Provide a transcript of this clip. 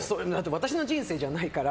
私の人生じゃないから。